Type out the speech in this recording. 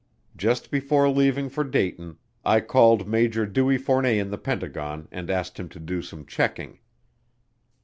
Just before leaving for Dayton, I called Major Dewey Fournet in the Pentagon and asked him to do some checking.